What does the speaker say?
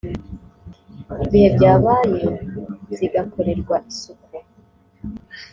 igihe byabaye zigakorerwa isuku